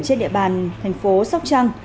trên địa bàn thành phố sóc trăng